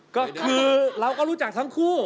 ก็คือเราก็รู้จักทั้งคู่